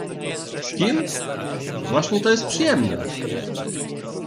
Z kim? Właśnie to jest przyjemne.